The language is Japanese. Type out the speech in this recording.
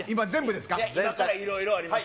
今からいろいろあります